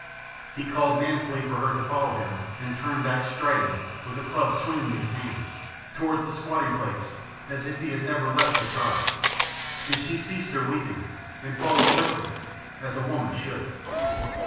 He called manfully to her to follow him and turned back, striding, with the club swinging in his hand, towards the squatting place, as if he had never left the tribe; and she ceased her weeping and followed quickly as a woman should.